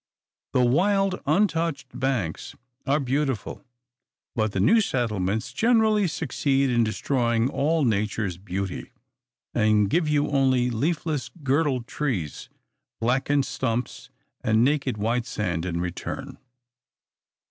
The wild, untouched banks are beautiful; but the new settlements generally succeed in destroying all Nature's beauty, and give you only leafless, girdled trees, blackened stumps, and naked white sand, in return.